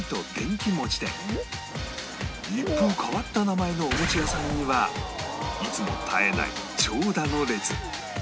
一風変わった名前のお餅屋さんにはいつも絶えない長蛇の列